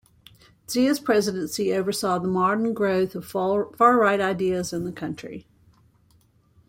Zia's presidency oversaw the modern growth of far-right ideas in the country.